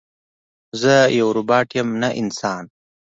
زه یو روباټ یم نه انسان